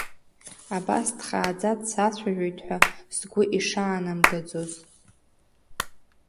Абас дхааӡа дсацәажәоит ҳәа сгәы ишаанамгаӡоз.